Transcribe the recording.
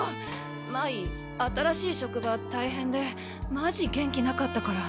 麻衣新しい職場大変でマジ元気なかったから。